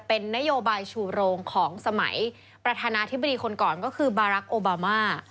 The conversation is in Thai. เป็นนโยบายชูโรงของสมัยประธานาธิบดีคนก่อนก็คือบารักษ์โอบามา